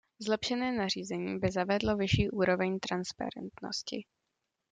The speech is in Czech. Zlepšené nařízení by zavedlo vyšší úroveň transparentnosti.